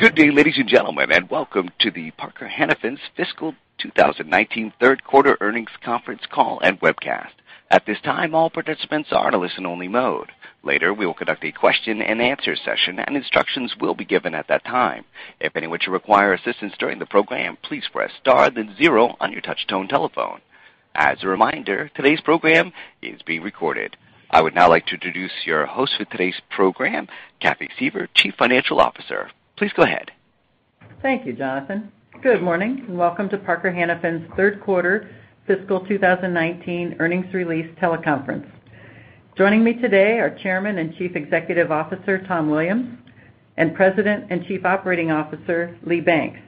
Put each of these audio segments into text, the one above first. Good day, ladies and gentlemen, and welcome to Parker-Hannifin's Fiscal 2019 third quarter earnings conference call and webcast. At this time, all participants are in listen only mode. Later, we will conduct a question and answer session, and instructions will be given at that time. If anyone should require assistance during the program, please press star, then zero on your touchtone telephone. As a reminder, today's program is being recorded. I would now like to introduce your host for today's program, Catherine Suever, Chief Financial Officer. Please go ahead. Thank you, Jonathan. Good morning, and welcome to Parker-Hannifin's third quarter fiscal 2019 earnings release teleconference. Joining me today are Chairman and Chief Executive Officer, Tom Williams, and President and Chief Operating Officer, Lee Banks.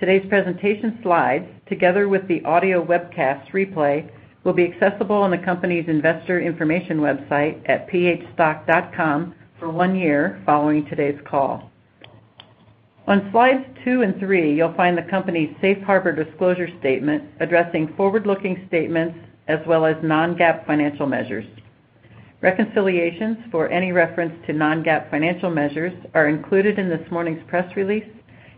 Today's presentation slides, together with the audio webcast replay, will be accessible on the company's investor information website at phstock.com for one year following today's call. On slides two and three, you'll find the company's safe harbor disclosure statement addressing forward-looking statements, as well as non-GAAP financial measures. Reconciliations for any reference to non-GAAP financial measures are included in this morning's press release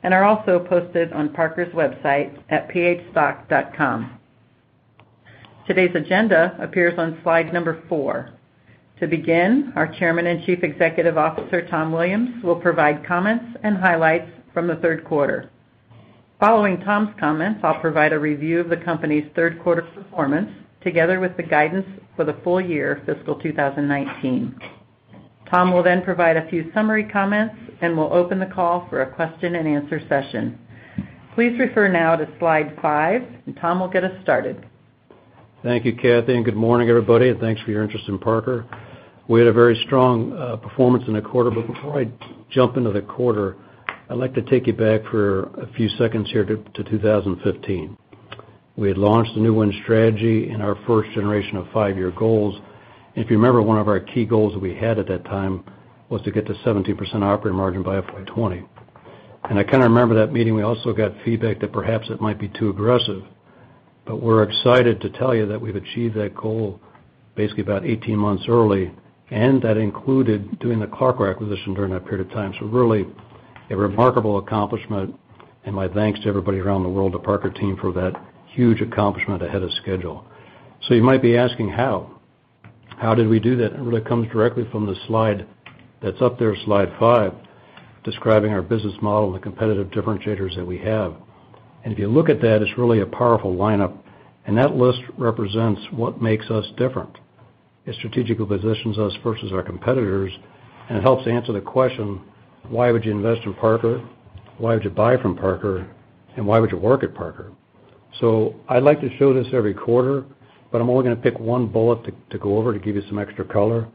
and are also posted on Parker's website at phstock.com. Today's agenda appears on slide number four. To begin, our Chairman and Chief Executive Officer, Tom Williams, will provide comments and highlights from the third quarter. Following Tom's comments, I'll provide a review of the company's third quarter performance, together with the guidance for the full year fiscal 2019. Tom will then provide a few summary comments, and we'll open the call for a question and answer session. Please refer now to slide five, and Tom will get us started. Thank you, Cathy, and good morning, everybody, and thanks for your interest in Parker. We had a very strong performance in the quarter, but before I jump into the quarter, I'd like to take you back for a few seconds here to 2015. We had launched the new WIN Strategy and our first generation of five-year goals. If you remember, one of our key goals that we had at that time was to get to 17% operating margin by FY 2020. I kind of remember that meeting, we also got feedback that perhaps it might be too aggressive, but we're excited to tell you that we've achieved that goal basically about 18 months early, and that included doing the CLARCOR acquisition during that period of time. Really, a remarkable accomplishment, My thanks to everybody around the world, the Parker team for that huge accomplishment ahead of schedule. You might be asking, how? How did we do that? It really comes directly from the slide that's up there, slide five, describing our business model and the competitive differentiators that we have. If you look at that, it's really a powerful lineup, and that list represents what makes us different. It strategically positions us versus our competitors and helps answer the question, why would you invest in Parker? Why would you buy from Parker? Why would you work at Parker? I like to show this every quarter, but I'm only gonna pick one bullet to go over to give you some extra color.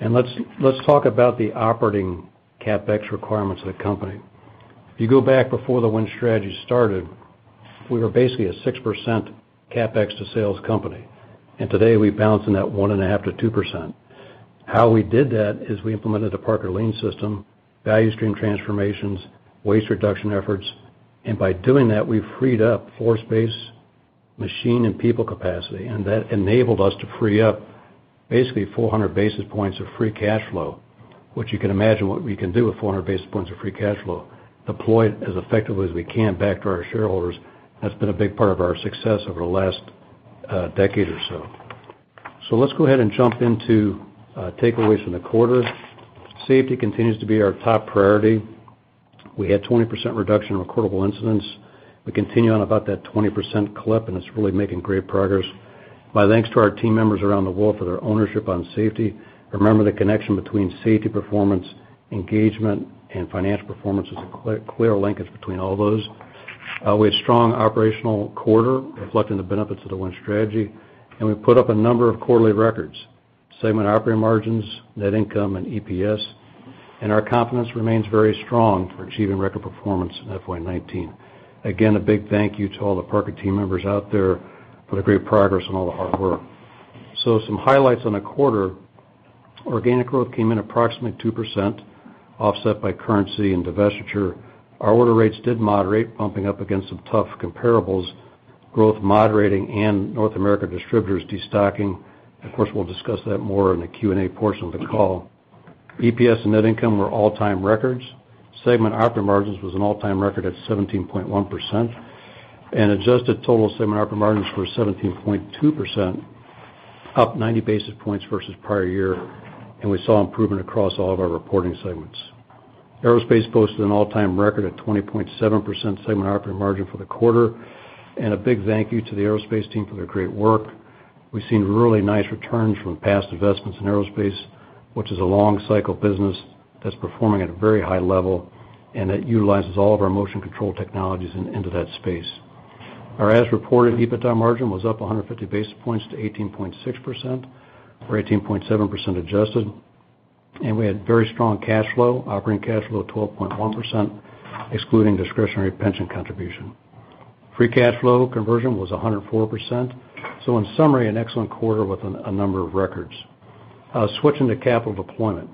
Let's talk about the operating CapEx requirements of the company. If you go back before the WIN Strategy started, we were basically a 6% CapEx to sales company, and today we bounce in that 1.5% to 2%. How we did that is we implemented the Parker Lean system, value stream transformations, waste reduction efforts, and by doing that, we freed up floor space, machine and people capacity, and that enabled us to free up basically 400 basis points of free cash flow. You can imagine what we can do with 400 basis points of free cash flow deployed as effectively as we can back to our shareholders. That's been a big part of our success over the last decade or so. Let's go ahead and jump into takeaways from the quarter. Safety continues to be our top priority. We had 20% reduction in recordable incidents. We continue on about that 20% clip, It's really making great progress. My thanks to our team members around the world for their ownership on safety. Remember the connection between safety performance, engagement, and financial performance. There's a clear linkage between all those. We had a strong operational quarter reflecting the benefits of the WIN Strategy, and we put up a number of quarterly records, segment operating margins, net income, and EPS, and our confidence remains very strong for achieving record performance in FY 2019. Again, a big thank you to all the Parker team members out there for the great progress and all the hard work. Some highlights on the quarter. Organic growth came in approximately 2%, offset by currency and divestiture. Our order rates did moderate, bumping up against some tough comparables, growth moderating in North America distributors destocking. Of course, we'll discuss that more in the Q&A portion of the call. EPS and net income were all-time records. Segment operating margins was an all-time record at 17.1%. Adjusted total segment operating margins were 17.2%, up 90 basis points versus prior year, We saw improvement across all of our reporting segments. Aerospace posted an all-time record at 20.7% segment operating margin for the quarter, A big thank you to the Aerospace team for their great work. We've seen really nice returns from past investments in Aerospace, which is a long cycle business that's performing at a very high level and that utilizes all of our motion control technologies in, into that space. Our as-reported EBITDA margin was up 150 basis points to 18.6%, or 18.7% adjusted, We had very strong cash flow, operating cash flow, 12.1%, excluding discretionary pension contribution. Free cash flow conversion was 104%. In summary, an excellent quarter with a number of records. Switching to capital deployment.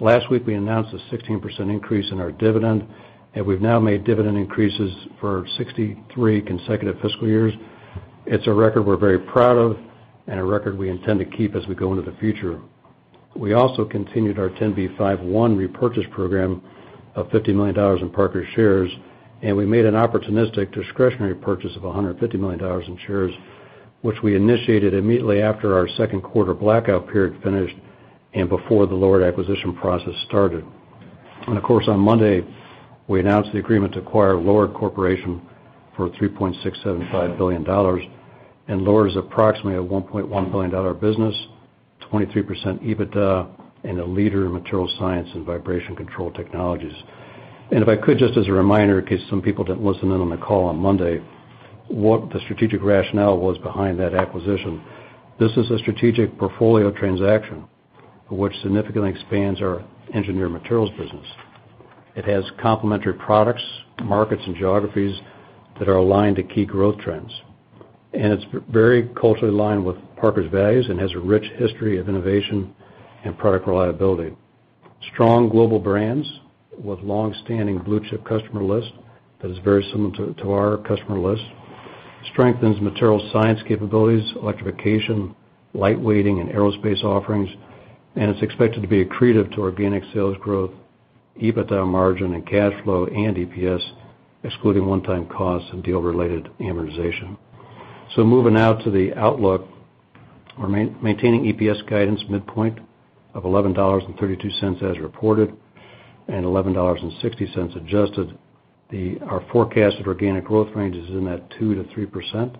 Last week we announced a 16% increase in our dividend, and we've now made dividend increases for 63 consecutive fiscal years. It's a record we're very proud of and a record we intend to keep as we go into the future. We also continued our Rule 10b5-1 repurchase program of $50 million in Parker shares, and we made an opportunistic discretionary purchase of $150 million in shares, which we initiated immediately after our second quarter blackout period finished and before the LORD acquisition process started. On Monday, we announced the agreement to acquire LORD Corporation for $3.675 billion. LORD's approximately a $1.1 billion business, 23% EBITDA, and a leader in material science and vibration control technologies. If I could, just as a reminder, in case some people didn't listen in on the call on Monday, what the strategic rationale was behind that acquisition. This is a strategic portfolio transaction which significantly expands our engineered materials business. It has complementary products, markets, and geographies that are aligned to key growth trends. It's very culturally aligned with Parker's values and has a rich history of innovation and product reliability. Strong global brands with longstanding blue-chip customer list that is very similar to our customer list, strengthens materials science capabilities, electrification, lightweighting, and Aerospace Systems offerings. It's expected to be accretive to organic sales growth, EBITDA margin, and cash flow, and EPS, excluding one-time costs and deal-related amortization. Moving now to the outlook, we're maintaining EPS guidance midpoint of $11.32 as reported and $11.60 adjusted. Our forecasted organic growth range is in that 2%-3%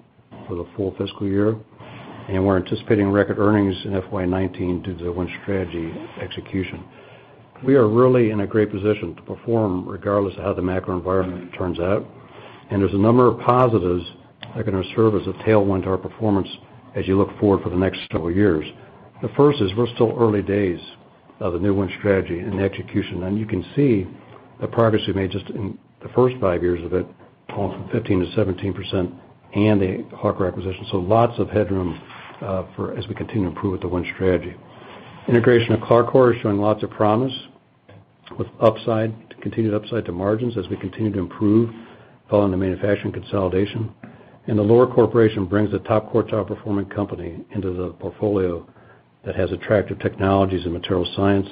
for the full fiscal year, and we're anticipating record earnings in FY 2019 due to the WIN Strategy execution. We are really in a great position to perform regardless of how the macro environment turns out, and there's a number of positives that are going to serve as a tailwind to our performance as you look forward for the next several years. The first is we're still early days of the new WIN Strategy and the execution, and you can see the progress we made just in the first five years of it, 15%-17% and the CLARCOR acquisition. Integration of CLARCOR is showing lots of promise with continued upside to margins as we continue to improve following the manufacturing consolidation. The Lord Corporation brings a top-quartile performing company into the portfolio that has attractive technologies in material science,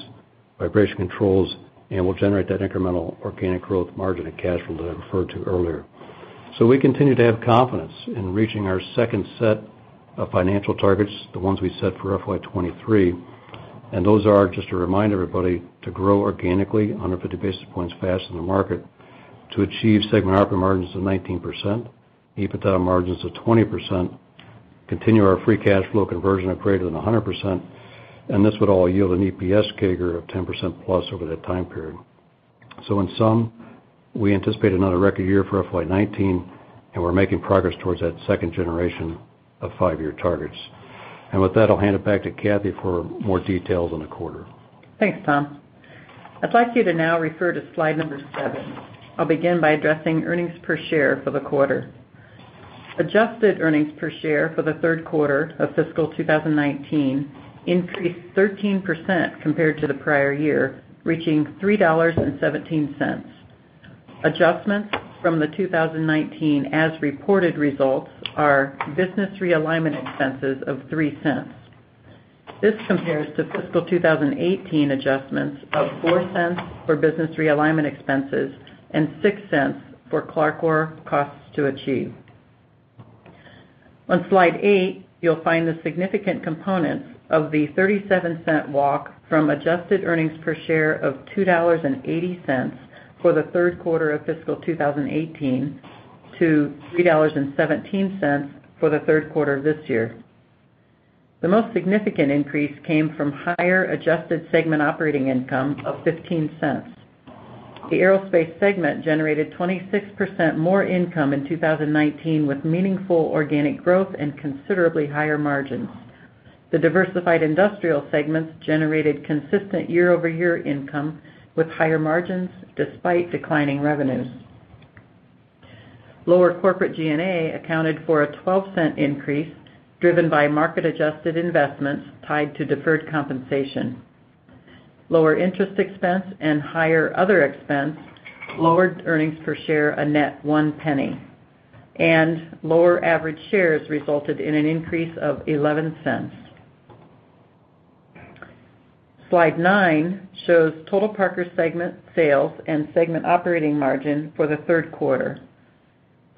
vibration controls, and will generate that incremental organic growth margin and cash flow that I referred to earlier. We continue to have confidence in reaching our second set of financial targets, the ones we set for FY 2023, and those are, just to remind everybody, to grow organically 150 basis points faster than the market, to achieve segment operating margins of 19%, EBITDA margins of 20%, continue our free cash flow conversion of greater than 100%, and this would all yield an EPS CAGR of 10%+ over that time period. In sum, we anticipate another record year for FY 2019, and we're making progress towards that second generation of five-year targets. With that, I'll hand it back to Cathy for more details on the quarter. Thanks, Tom. I'd like you to now refer to slide number seven. I'll begin by addressing earnings per share for the quarter. Adjusted earnings per share for the third quarter of fiscal 2019 increased 13% compared to the prior year, reaching $3.17. Adjustments from the 2019 as-reported results are business realignment expenses of $0.03. This compares to fiscal 2018 adjustments of $0.04 for business realignment expenses and $0.06 for CLARCOR costs to achieve. On slide eight, you'll find the significant components of the $0.37 walk from adjusted earnings per share of $2.80 for the third quarter of fiscal 2018 to $3.17 for the third quarter of this year. The most significant increase came from higher adjusted segment operating income of $0.15. The Aerospace segment generated 26% more income in 2019 with meaningful organic growth and considerably higher margins. The Diversified Industrial segments generated consistent year-over-year income with higher margins despite declining revenues. Lower corporate G&A accounted for a $0.12 increase, driven by market-adjusted investments tied to deferred compensation. Lower interest expense and higher other expense lowered earnings per share a net $0.01, and lower average shares resulted in an increase of $0.11. Slide nine shows total Parker segment sales and segment operating margin for the third quarter.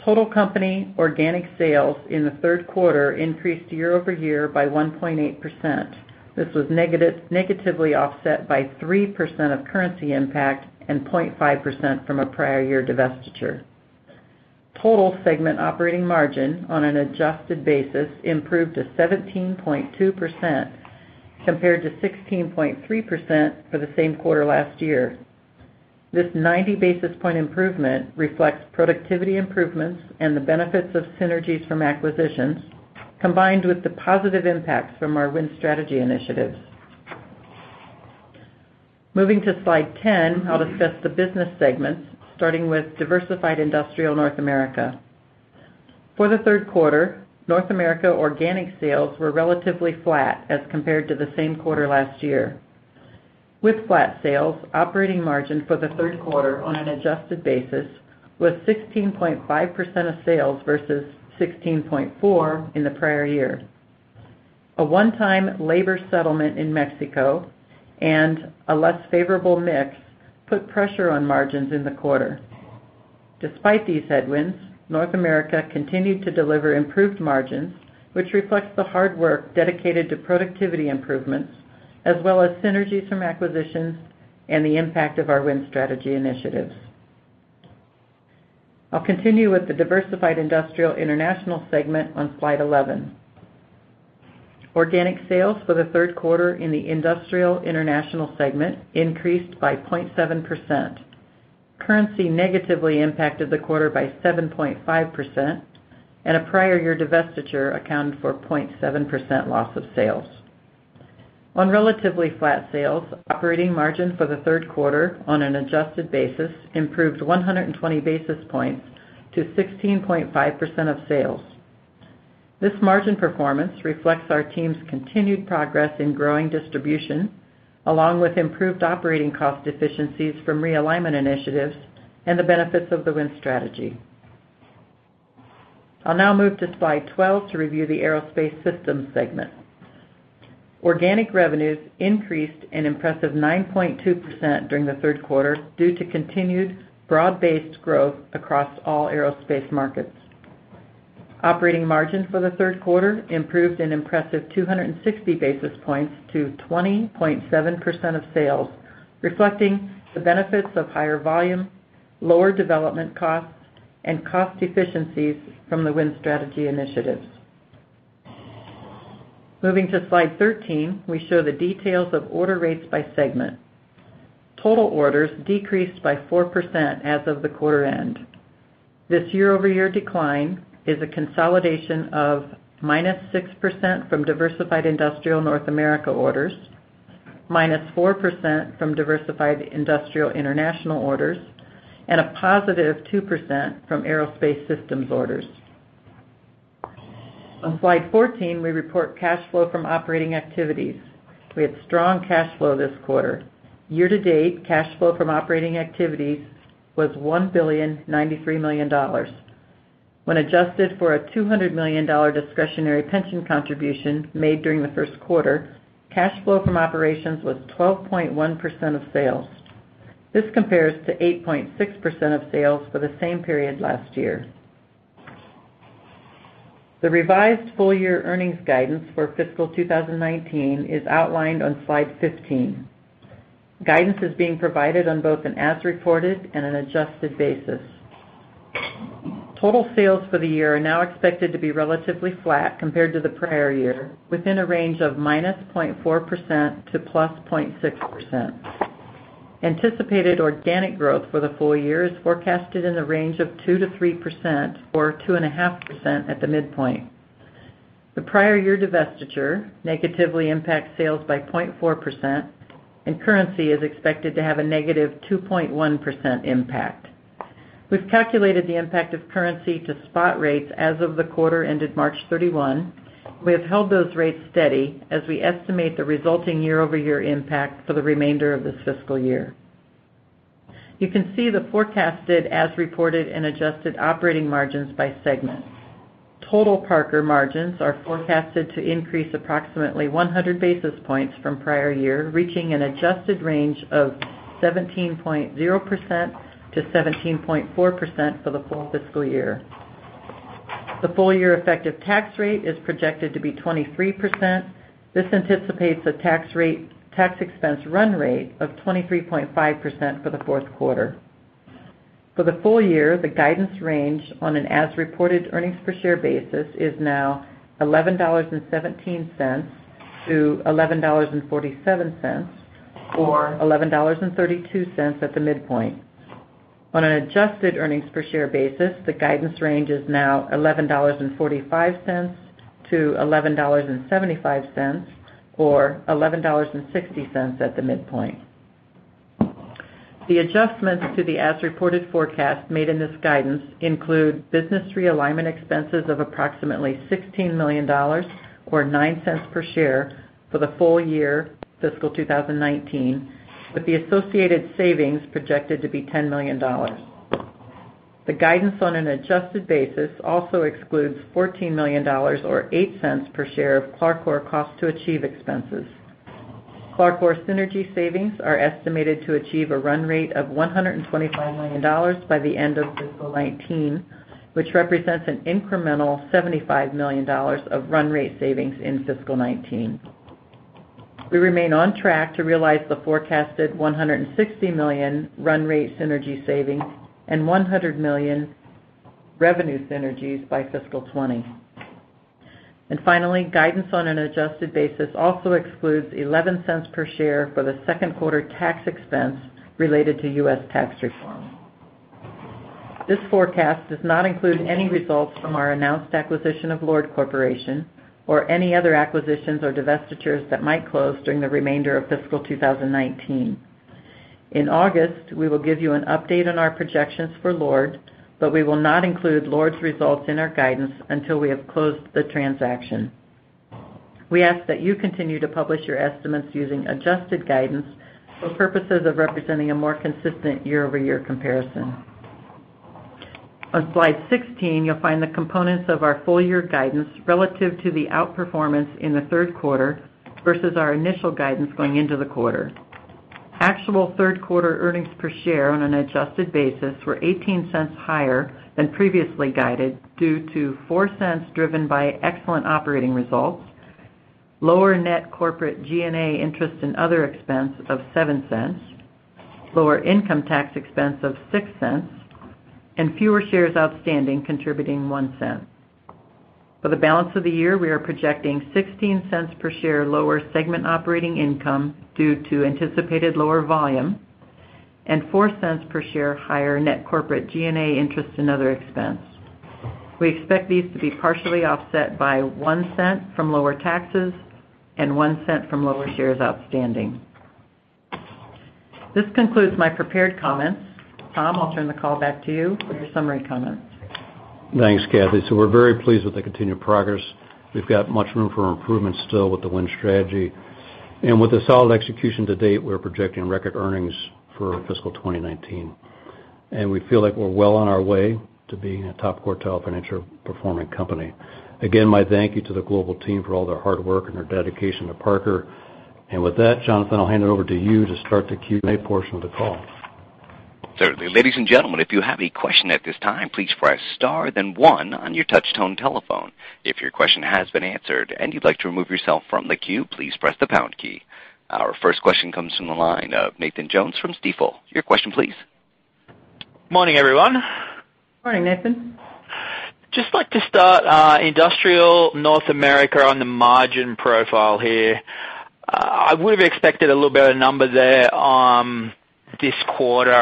Total company organic sales in the third quarter increased year-over-year by 1.8%. This was negatively offset by 3% of currency impact and 0.5% from a prior year divestiture. Total segment operating margin on an adjusted basis improved to 17.2% compared to 16.3% for the same quarter last year. This 90-basis point improvement reflects productivity improvements and the benefits of synergies from acquisitions, combined with the positive impacts from our WIN Strategy initiatives. Moving to slide 10, I'll discuss the business segments, starting with Diversified Industrial North America. For the third quarter, North America organic sales were relatively flat as compared to the same quarter last year. With flat sales, operating margin for the third quarter on an adjusted basis was 16.5% of sales versus 16.4% in the prior year. A one-time labor settlement in Mexico and a less favorable mix put pressure on margins in the quarter. Despite these headwinds, North America continued to deliver improved margins, which reflects the hard work dedicated to productivity improvements, as well as synergies from acquisitions and the impact of our WIN Strategy initiatives. I'll continue with the Diversified Industrial International segment on slide 11. Organic sales for the third quarter in the Industrial International segment increased by 0.7%. Currency negatively impacted the quarter by 7.5%, and a prior year divestiture accounted for 0.7% loss of sales. On relatively flat sales, operating margin for the third quarter on an adjusted basis improved 120 basis points to 16.5% of sales. This margin performance reflects our team's continued progress in growing distribution, along with improved operating cost efficiencies from realignment initiatives and the benefits of the WIN Strategy. I'll now move to slide 12 to review the Aerospace Systems segment. Organic revenues increased an impressive 9.2% during the third quarter, due to continued broad-based growth across all aerospace markets. Operating margin for the third quarter improved an impressive 260 basis points to 20.7% of sales, reflecting the benefits of higher volume, lower development costs, and cost efficiencies from the WIN Strategy initiatives. Moving to slide 13, we show the details of order rates by segment. Total orders decreased by 4% as of the quarter end. This year-over-year decline is a consolidation of -6% from Diversified Industrial North America orders, -4% from Diversified Industrial International orders, and a positive 2% from Aerospace Systems orders. On slide 14, we report cash flow from operating activities. We had strong cash flow this quarter. Year to date, cash flow from operating activities was $1,093,000,000. When adjusted for a $200 million discretionary pension contribution made during the first quarter, cash flow from operations was 12.1% of sales. This compares to 8.6% of sales for the same period last year. The revised full year earnings guidance for fiscal 2019 is outlined on slide 15. Guidance is being provided on both an as reported and an adjusted basis. Total sales for the year are now expected to be relatively flat compared to the prior year, within a range of -0.4% to +0.6%. Anticipated organic growth for the full year is forecasted in the range of 2% to 3%, or 2.5% at the midpoint. The prior year divestiture negatively impacts sales by 0.4%, and currency is expected to have a -2.1% impact. We've calculated the impact of currency to spot rates as of the quarter ended March 31. We have held those rates steady as we estimate the resulting year-over-year impact for the remainder of this fiscal year. You can see the forecasted as reported and adjusted operating margins by segment. Total Parker margins are forecasted to increase approximately 100 basis points from prior year, reaching an adjusted range of 17.0%-17.4% for the full fiscal year. The full year effective tax rate is projected to be 23%. This anticipates a tax expense run rate of 23.5% for the fourth quarter. For the full year, the guidance range on an as reported earnings per share basis is now $11.17-$11.47, or $11.32 at the midpoint. On an adjusted earnings per share basis, the guidance range is now $11.45-$11.75, or $11.60 at the midpoint. The adjustments to the as reported forecast made in this guidance include business realignment expenses of approximately $16 million, or $0.09 per share for the full year fiscal 2019, with the associated savings projected to be $10 million. The guidance on an adjusted basis also excludes $14 million, or $0.08 per share of CLARCOR cost to achieve expenses. CLARCOR synergy savings are estimated to achieve a run rate of $125 million by the end of fiscal 2019, which represents an incremental $75 million of run rate savings in fiscal 2019. We remain on track to realize the forecasted $160 million run rate synergy savings and $100 million revenue synergies by fiscal 2020. Finally, guidance on an adjusted basis also excludes $0.11 per share for the second quarter tax expense related to U.S. tax reform. This forecast does not include any results from our announced acquisition of Lord Corporation or any other acquisitions or divestitures that might close during the remainder of fiscal 2019. In August, we will give you an update on our projections for Lord, but we will not include Lord's results in our guidance until we have closed the transaction. We ask that you continue to publish your estimates using adjusted guidance for purposes of representing a more consistent year-over-year comparison. On slide 16, you'll find the components of our full year guidance relative to the outperformance in the third quarter versus our initial guidance going into the quarter. Actual third quarter earnings per share on an adjusted basis were $0.18 higher than previously guided due to $0.04 driven by excellent operating results, lower net corporate G&A interest and other expense of $0.07, lower income tax expense of $0.06, and fewer shares outstanding contributing $0.01. For the balance of the year, we are projecting $0.16 per share lower segment operating income due to anticipated lower volume and $0.04 per share higher net corporate G&A interest and other expense. We expect these to be partially offset by $0.01 from lower taxes and $0.01 from lower shares outstanding. This concludes my prepared comments. Tom, I'll turn the call back to you for your summary comments. Thanks, Cathy. We're very pleased with the continued progress. We've got much room for improvement still with the WIN Strategy. With the solid execution to date, we're projecting record earnings for fiscal 2019. We feel like we're well on our way to being a top quartile financial performing company. Again, my thank you to the global team for all their hard work and their dedication to Parker. With that, Jonathan, I'll hand it over to you to start the Q&A portion of the call. Certainly. Ladies and gentlemen, if you have a question at this time, please press star then one on your touch tone telephone. If your question has been answered and you'd like to remove yourself from the queue, please press the pound key. Our first question comes from the line of Nathan Jones from Stifel. Your question please. Morning, everyone. Morning, Nathan. Just like to start, Diversified Industrial North America on the margin profile here. I would've expected a little better number there this quarter.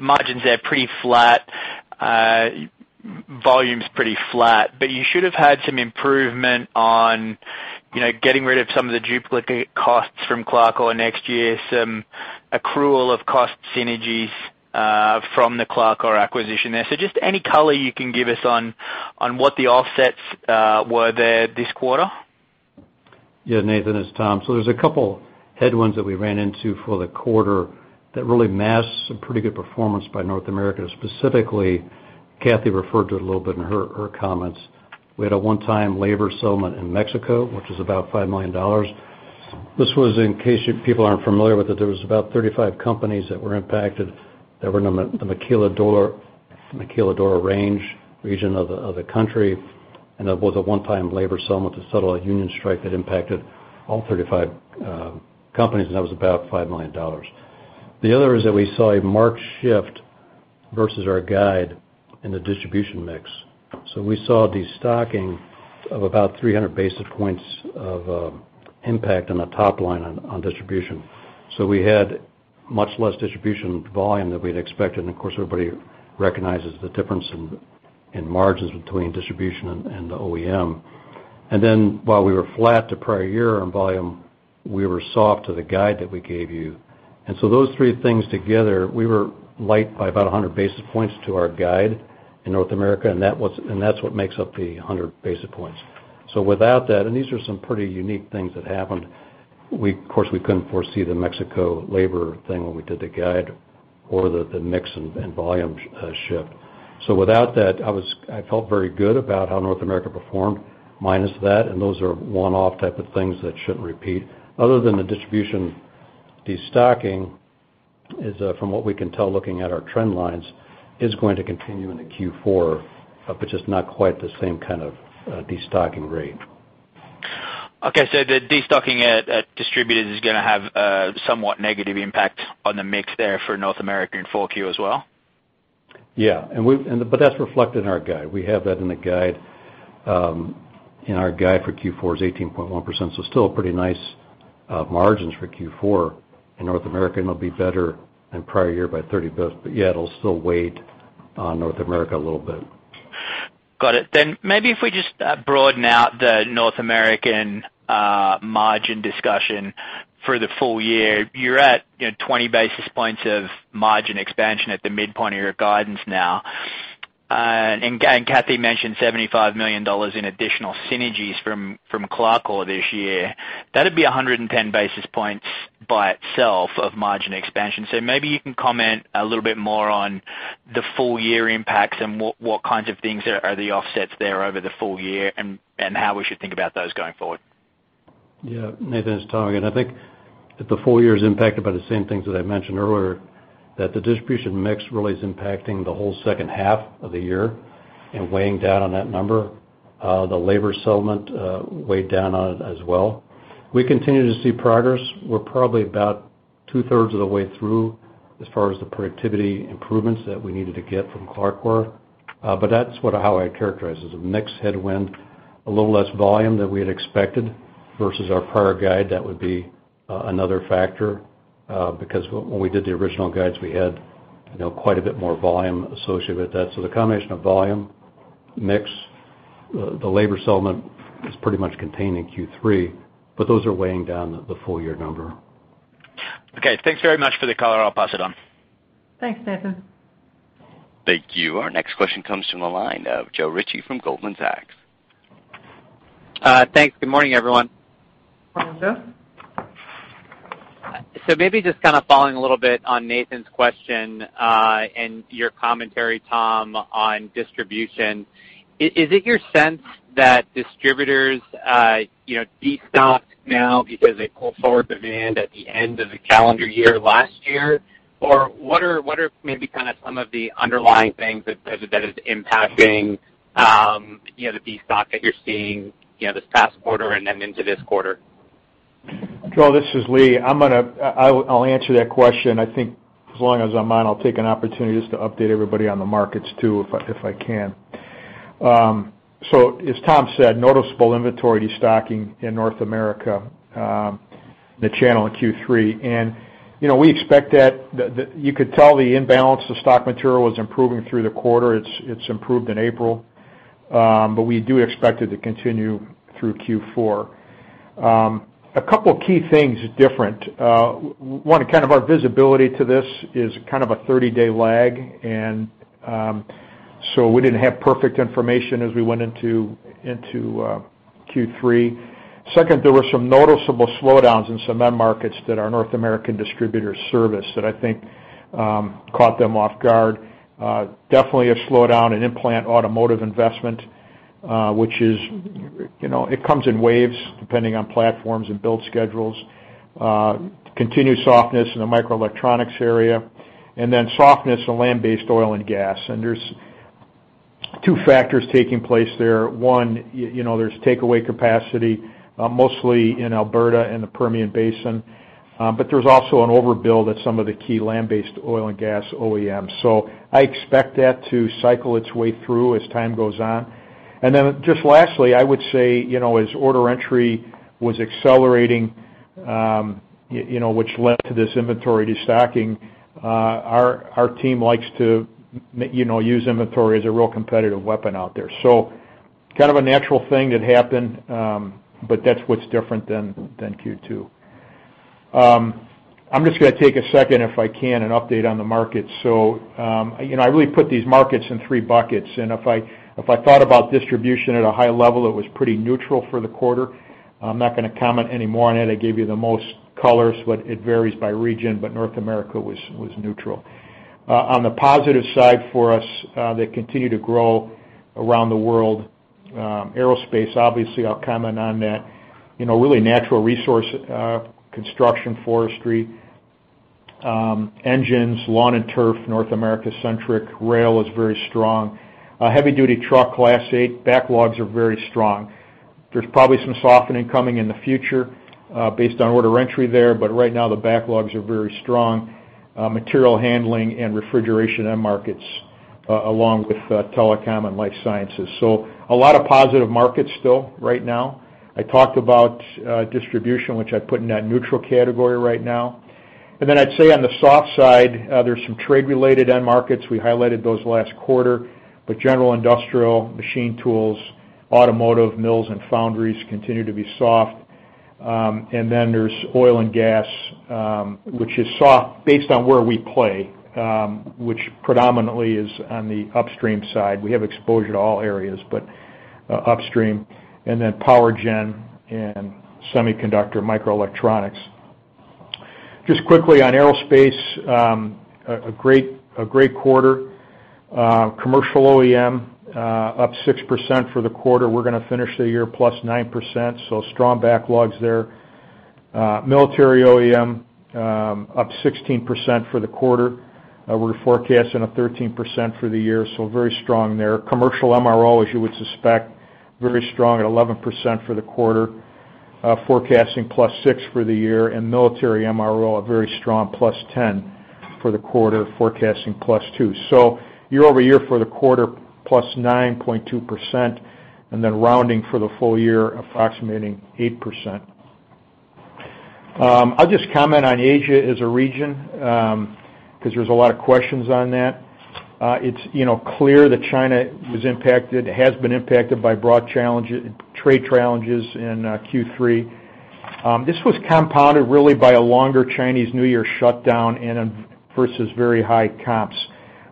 Margins there pretty flat. Volume's pretty flat. You should have had some improvement on getting rid of some of the duplicate costs from CLARCOR next year, some accrual of cost synergies, from the CLARCOR acquisition there. Just any color you can give us on what the offsets were there this quarter? Nathan, it's Tom. There's a couple headwinds that we ran into for the quarter that really masks some pretty good performance by Diversified Industrial North America. Specifically, Cathy referred to it a little bit in her comments. We had a one-time labor settlement in Mexico, which is about $5 million. This was in case you people aren't familiar with it, there was about 35 companies that were impacted that were in the Maquiladora region of the country, and that was a one-time labor settlement to settle a union strike that impacted all 35 companies, and that was about $5 million. The other is that we saw a marked shift versus our guide in the distribution mix. We saw destocking of about 300 basis points of impact on the top line on distribution. We had much less distribution volume than we had expected, of course, everybody recognizes the difference in margins between distribution and the OEM. While we were flat to prior year on volume, we were soft to the guide that we gave you. Those three things together, we were light by about 100 basis points to our guide in North America, and that is what makes up the 100 basis points. Without that, and these are some pretty unique things that happened, of course, we couldn't foresee the Mexico labor thing when we did the guide or the mix and volume shift. Without that, I felt very good about how North America performed minus that, and those are one-off type of things that shouldn't repeat. Other than the distribution destocking is, from what we can tell looking at our trend lines, is going to continue into Q4, but just not quite the same kind of destocking rate. The destocking at distributors is going to have a somewhat negative impact on the mix there for North America in full Q as well? That's reflected in our guide. We have that in the guide. In our guide for Q4 is 18.1%, still pretty nice margins for Q4 in North America, and it'll be better than prior year by 30 basis, it'll still weight on North America a little bit. Got it. Maybe if we just broaden out the North American margin discussion for the full year, you're at 20 basis points of margin expansion at the midpoint of your guidance now. Cathy mentioned $75 million in additional synergies from CLARCOR this year. That'd be 110 basis points by itself of margin expansion. Maybe you can comment a little bit more on the full year impacts and what kinds of things are the offsets there over the full year, and how we should think about those going forward. Yeah, Nathan, it's Tom again. I think the full year is impacted by the same things that I mentioned earlier, that the distribution mix really is impacting the whole second half of the year and weighing down on that number. The labor settlement weighed down on it as well. We continue to see progress. We're probably about two-thirds of the way through as far as the productivity improvements that we needed to get from CLARCOR were. That's how I'd characterize it, as a mix headwind, a little less volume than we had expected versus our prior guide. That would be another factor, because when we did the original guides, we had quite a bit more volume associated with that. The combination of volume mix. The labor settlement is pretty much contained in Q3, those are weighing down the full-year number. Okay. Thanks very much for the color. I'll pass it on. Thanks, Nathan. Thank you. Our next question comes from the line of Joe Ritchie from Goldman Sachs. Thanks. Good morning, everyone. Morning, Joe. Maybe just kind of following a little bit on Nathan's question, and your commentary, Tom, on distribution. Is it your sense that distributors de-stocked now because they pulled forward demand at the end of the calendar year last year? Or what are maybe kind of some of the underlying things that is impacting the de-stock that you're seeing this past quarter and then into this quarter? Joe, this is Lee. I'll answer that question. I think as long as I'm on, I'll take an opportunity just to update everybody on the markets too, if I can. As Tom said, noticeable inventory de-stocking in North America, the channel in Q3. We expect that. You could tell the imbalance of stock material was improving through the quarter. It's improved in April. We do expect it to continue through Q4. A couple of key things different. One, kind of our visibility to this is kind of a 30-day lag. We didn't have perfect information as we went into Q3. Second, there were some noticeable slowdowns in some end markets that our North American distributors service that I think caught them off guard. Definitely a slowdown in in-plant automotive investment, which is, it comes in waves depending on platforms and build schedules. Continued softness in the microelectronics area, softness in land-based oil and gas. There's two factors taking place there. One, there's takeaway capacity, mostly in Alberta and the Permian Basin. There's also an overbuild at some of the key land-based oil and gas OEMs. I expect that to cycle its way through as time goes on. Just lastly, I would say, as order entry was accelerating, which led to this inventory de-stocking, our team likes to use inventory as a real competitive weapon out there. Kind of a natural thing that happened, but that's what's different than Q2. I'm just going to take a second if I can, and update on the market. I really put these markets in three buckets, and if I thought about distribution at a high level, it was pretty neutral for the quarter. I'm not going to comment any more on it. I gave you the most colors, it varies by region, North America was neutral. On the positive side for us, they continue to grow around the world. Aerospace, obviously, I'll comment on that. Really natural resource, construction, forestry, engines, lawn and turf, North America-centric. Rail is very strong. Heavy-duty truck, Class 8 backlogs are very strong. There's probably some softening coming in the future, based on order entry there, right now the backlogs are very strong. Material handling and refrigeration end markets, along with telecom and life sciences. A lot of positive markets still right now. I talked about distribution, which I put in that neutral category right now. I'd say on the soft side, there's some trade-related end markets. We highlighted those last quarter, general industrial, machine tools, automotive, mills, and foundries continue to be soft. There's oil and gas, which is soft based on where we play, which predominantly is on the upstream side. We have exposure to all areas, upstream, power gen and semiconductor microelectronics. Just quickly on Aerospace, a great quarter. Commercial OEM, up 6% for the quarter. We're going to finish the year +9%. Strong backlogs there. Military OEM, up 16% for the quarter. We're forecasting up 13% for the year. Very strong there. Commercial MRO, as you would suspect, very strong at 11% for the quarter, forecasting +6% for the year. Military MRO, a very strong +10% for the quarter, forecasting +2%. Year-over-year for the quarter, +9.2%, rounding for the full year, approximating 8%. I'll just comment on Asia as a region, because there's a lot of questions on that. It's clear that China was impacted, has been impacted by broad trade challenges in Q3. This was compounded really by a longer Chinese New Year shutdown versus very high comps.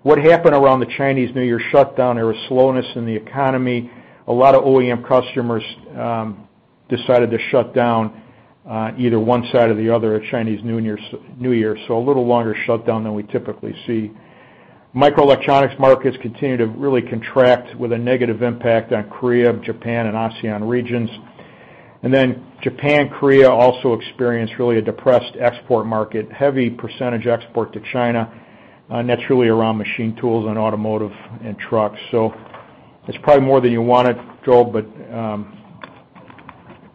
What happened around the Chinese New Year shutdown, there was slowness in the economy. A lot of OEM customers decided to shut down, either one side or the other at Chinese New Year. A little longer shutdown than we typically see. Microelectronics markets continue to really contract with a negative impact on Korea, Japan, and ASEAN regions. Japan, Korea also experienced really a depressed export market. Heavy percentage export to China, and that's really around machine tools and automotive and trucks. It's probably more than you wanted, Joe, but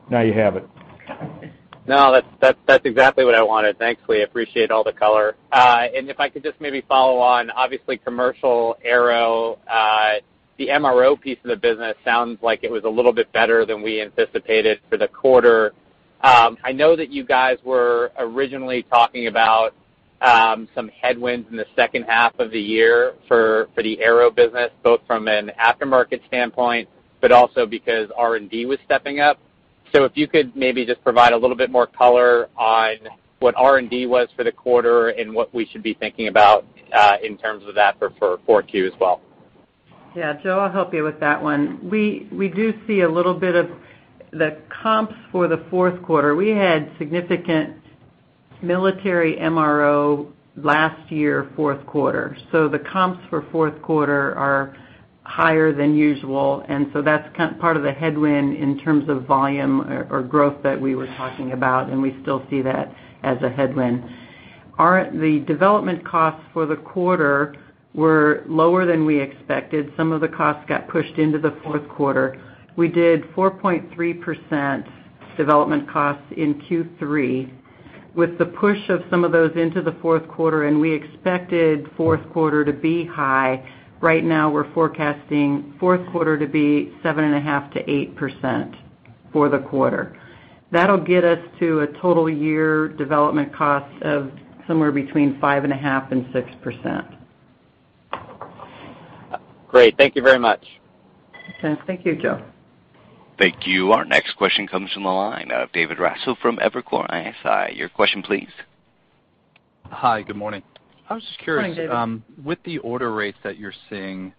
now you have it. No, that's exactly what I wanted. Thanks, Lee. I appreciate all the color. If I could just maybe follow on, obviously commercial aero, the MRO piece of the business sounds like it was a little bit better than we anticipated for the quarter. I know that you guys were originally talking about some headwinds in the second half of the year for the aero business, both from an aftermarket standpoint, but also because R&D was stepping up. If you could maybe just provide a little bit more color on what R&D was for the quarter and what we should be thinking about in terms of that for 4Q as well. Joe, I'll help you with that one. We do see a little bit of the comps for the fourth quarter. We had significant military MRO last year, fourth quarter. The comps for fourth quarter are higher than usual, that's part of the headwind in terms of volume or growth that we were talking about, and we still see that as a headwind. The development costs for the quarter were lower than we expected. Some of the costs got pushed into the fourth quarter. We did 4.3% development costs in Q3 with the push of some of those into the fourth quarter. We expected fourth quarter to be high. Right now, we're forecasting fourth quarter to be 7.5%-8% for the quarter. That'll get us to a total year development cost of somewhere between 5.5% and 6%. Great. Thank you very much. Okay. Thank you, Joe. Thank you. Our next question comes from the line of David Raso from Evercore ISI. Your question, please. Hi, good morning. Morning, David. I was just curious, with the order rates that you're seeing,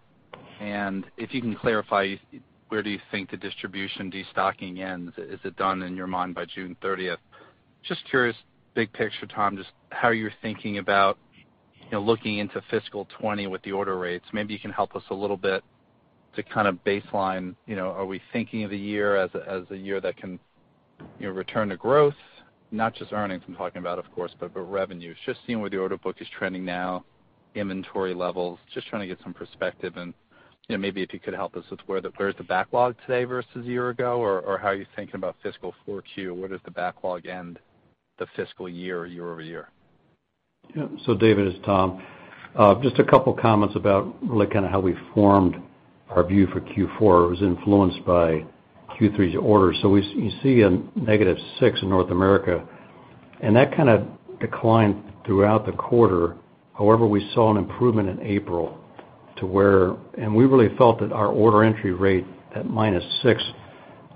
if you can clarify, where do you think the distribution destocking ends? Is it done, in your mind, by June 30? Just curious, big picture, Tom, just how you're thinking about looking into fiscal 2020 with the order rates. Maybe you can help us a little bit to kind of baseline, are we thinking of the year as a year that can return to growth, not just earnings I'm talking about, of course, but revenues. Just seeing where the order book is trending now, inventory levels, just trying to get some perspective and maybe if you could help us with where is the backlog today versus a year ago, or how are you thinking about fiscal 4Q? Where does the backlog end the fiscal year year-over-year? Yeah. David, it's Tom. Just a couple comments about really how we formed our view for Q4. It was influenced by Q3's orders. You see a -6% in North America, that kind of declined throughout the quarter. However, we saw an improvement in April. We really felt that our order entry rate at -6%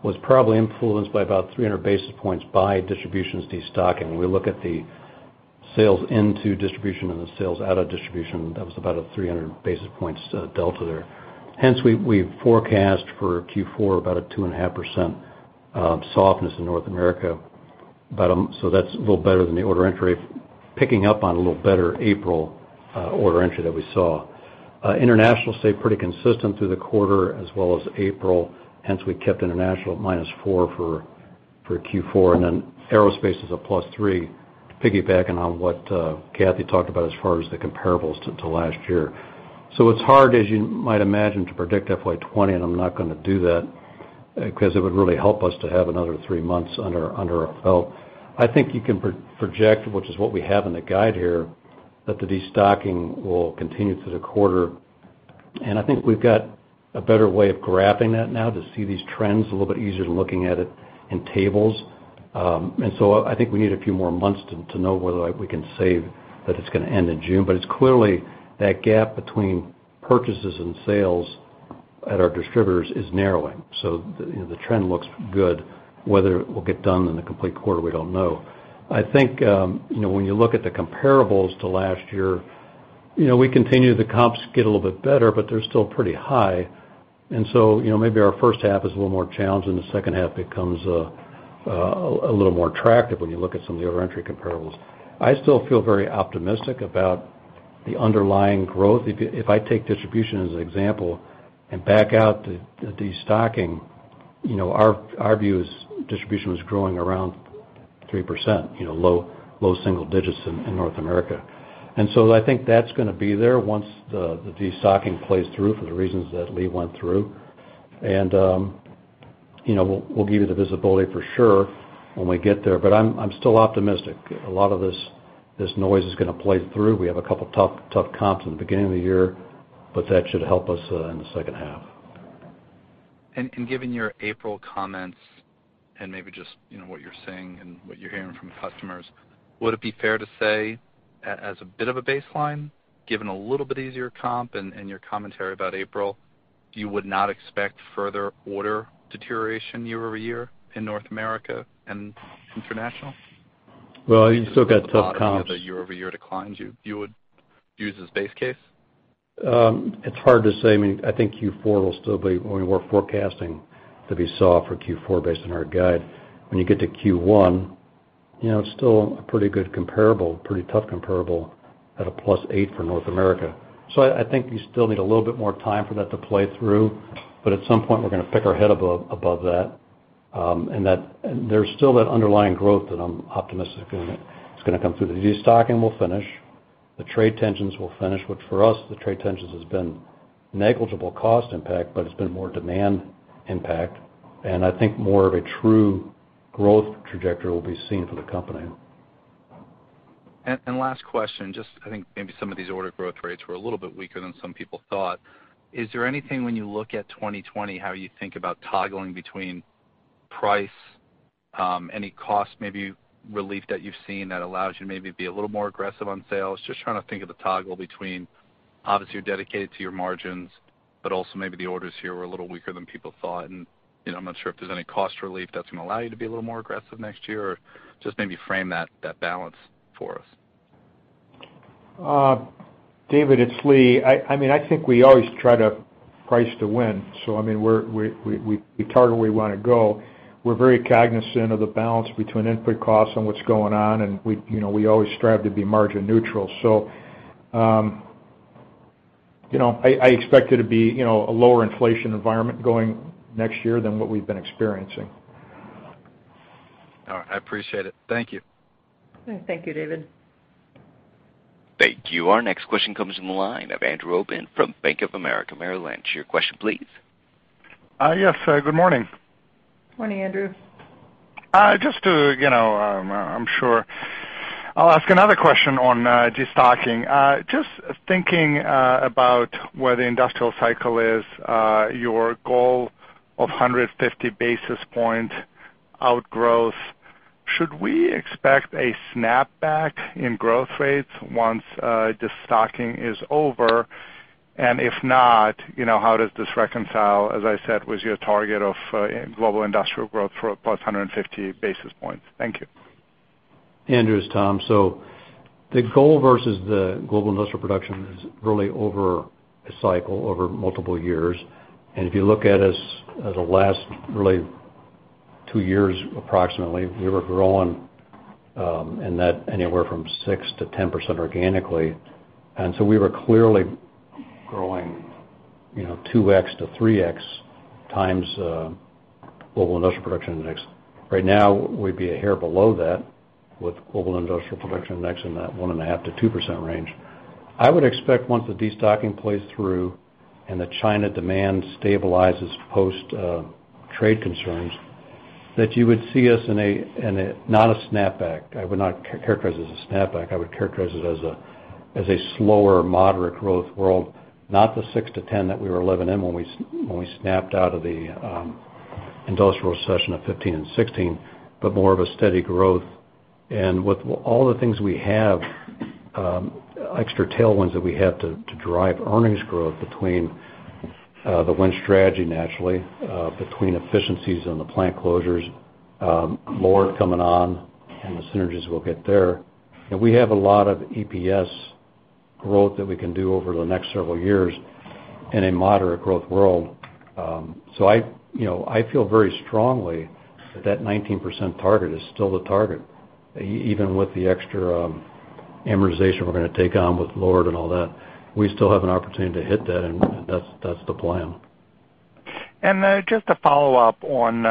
was probably influenced by about 300 basis points by distributions destocking. We look at the sales into distribution and the sales out of distribution, that was about a 300 basis points delta there. We forecast for Q4 about a 2.5% softness in North America. That's a little better than the order entry, picking up on a little better April order entry that we saw. International stayed pretty consistent through the quarter as well as April. We kept international at -4% for Q4, then Aerospace is a +3%, piggybacking on what Cathy talked about as far as the comparables to last year. It's hard, as you might imagine, to predict FY 2020, and I'm not going to do that because it would really help us to have another three months under our belt. I think you can project, which is what we have in the guide here, that the destocking will continue through the quarter. I think we've got a better way of graphing that now to see these trends a little bit easier than looking at it in tables. I think we need a few more months to know whether we can say that it's going to end in June. It's clearly that gap between purchases and sales at our distributors is narrowing. The trend looks good. Whether it will get done in the complete quarter, we don't know. I think when you look at the comparables to last year, we continue, the comps get a little bit better, but they're still pretty high. Maybe our first half is a little more challenged and the second half becomes a little more attractive when you look at some of the order entry comparables. I still feel very optimistic about the underlying growth. If I take distribution as an example and back out the destocking, our view is distribution was growing around 3%, low single digits in North America. I think that's going to be there once the destocking plays through for the reasons that Lee went through. We'll give you the visibility for sure when we get there. I'm still optimistic. A lot of this noise is going to play through. We have a couple of tough comps in the beginning of the year, but that should help us in the second half. Given your April comments and maybe just what you're seeing and what you're hearing from customers, would it be fair to say as a bit of a baseline, given a little bit easier comp and your commentary about April, you would not expect further order deterioration year-over-year in North America and international? Well, you still got tough comps. At the bottom of a year-over-year decline, you would use as base case? It's hard to say. I think Q4 will still be what we're forecasting to be soft for Q4 based on our guide. When you get to Q1, it's still a pretty good comparable, pretty tough comparable at a +8% for North America. I think you still need a little bit more time for that to play through. At some point, we're going to pick our head above that, and there's still that underlying growth that I'm optimistic is going to come through. The destocking will finish. The trade tensions will finish, which for us, the trade tensions has been negligible cost impact, but it's been more demand impact. I think more of a true growth trajectory will be seen for the company. Last question, just I think maybe some of these order growth rates were a little bit weaker than some people thought. Is there anything when you look at 2020, how you think about toggling between price, any cost, maybe relief that you've seen that allows you maybe be a little more aggressive on sales? Just trying to think of the toggle between, obviously, you're dedicated to your margins, but also maybe the orders here were a little weaker than people thought, and I'm not sure if there's any cost relief that's going to allow you to be a little more aggressive next year, or just maybe frame that balance for us. David, it's Lee. I think we always try to price to win. We target where we want to go. We're very cognizant of the balance between input costs and what's going on, and we always strive to be margin neutral. I expect it to be a lower inflation environment going next year than what we've been experiencing. All right. I appreciate it. Thank you. Thank you, David. Thank you. Our next question comes from the line of Andrew Obin from Bank of America Merrill Lynch. Your question, please. Yes, good morning. Morning, Andrew. Just I'm sure I'll ask another question on de-stocking. Just thinking about where the industrial cycle is, your goal of 150 basis point outgrowth. Should we expect a snapback in growth rates once de-stocking is over? If not, how does this reconcile, as I said, with your target of global industrial growth for plus 150 basis points? Thank you. Andrew, it's Tom. The goal versus the global industrial production is really over a cycle, over multiple years. If you look at us, at the last really two years approximately, we were growing, in that anywhere from 6% to 10% organically. We were clearly growing 2x to 3x times global industrial production index. Right now, we'd be a hair below that with global industrial production index in that 1.5% to 2% range. I would expect once the de-stocking plays through and the China demand stabilizes post trade concerns, that you would see us in a, not a snapback. I would not characterize it as a snapback. I would characterize it as a slower moderate growth world, not the 6% to 10% that we were living in when we snapped out of the industrial recession of 2015 and 2016, but more of a steady growth. With all the things we have, extra tailwinds that we have to drive earnings growth between the WIN Strategy naturally, between efficiencies and the plant closures, Lord coming on and the synergies we'll get there. We have a lot of EPS growth that we can do over the next several years in a moderate growth world. I feel very strongly that 19% target is still the target, even with the extra amortization we're going to take on with Lord and all that. We still have an opportunity to hit that, and that's the plan. Just to follow up on